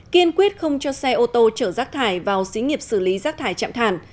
kiên quyết không cho xe ô tô chở rác thải vào xí nghiệp xử lý rác thải trạm thản